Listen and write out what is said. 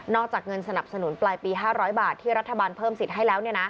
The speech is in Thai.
อกจากเงินสนับสนุนปลายปี๕๐๐บาทที่รัฐบาลเพิ่มสิทธิ์ให้แล้ว